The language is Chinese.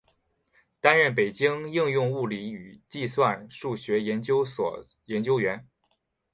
担任北京应用物理与计算数学研究所研究员。